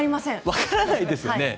分からないですよね。